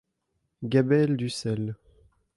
Gabelle du sel.